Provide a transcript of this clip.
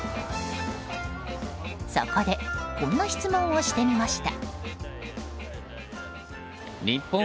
そこでこんな質問をしてみました。